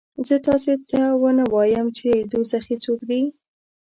زه تاسې ته ونه وایم چې دوزخي څوک دي؟